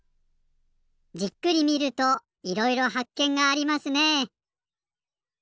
じっくり見るといろいろはっけんがありますね。